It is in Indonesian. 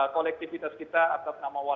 kolektivitas kita atas nama warga yang diberikan